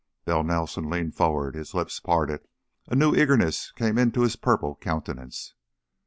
Bell Nelson leaned forward, his lips parted, a new eagerness came into his purple countenance.